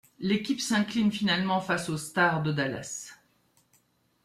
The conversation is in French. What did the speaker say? L'équipe s'incline finalement face aux Stars de Dallas.